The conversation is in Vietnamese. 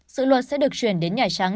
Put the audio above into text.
sự luật sẽ được chuyển đến nhà trắng